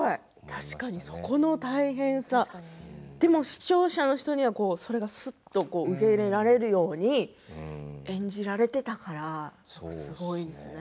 確かにそこの大変さでも視聴者の人にはそれがすっと受け入れられるように演じられていたからすごいですね。